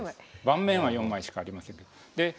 盤面は４枚しかありませんけど。